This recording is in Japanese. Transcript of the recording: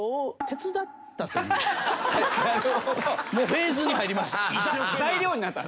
フェーズに入りました。